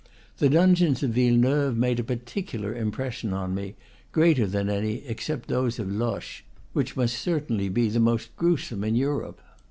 The dungeons of Villeneuve made a particular impression on me, greater than any, except those of Loches, which must surely be the most grewsome in Europe.